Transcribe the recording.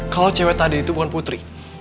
kalau cewek tadi itu bukan putri